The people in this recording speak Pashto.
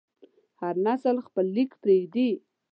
هر نسل خپل لیک پرېږدي.